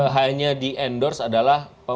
hanya di endorse adalah